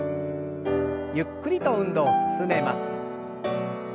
ゆっくりと運動を進めます。